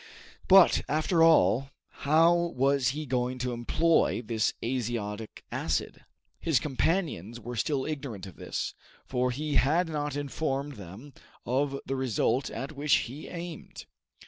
But, after all, how was he going to employ this azotic acid? His companions were still ignorant of this, for he had not informed them of the result at which he aimed.